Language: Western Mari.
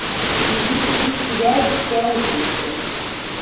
Изи принц шӱлӓлтӹш дӓ ушештӹш: